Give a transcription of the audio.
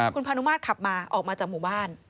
คุณพานุมาตรขับมาออกมาจากหมู่บ้าน